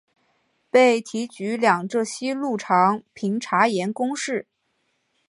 被提举两浙西路常平茶盐公事。